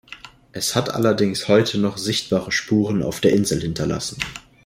Es hat allerdings heute noch sichtbare Spuren auf der Insel hinterlassen.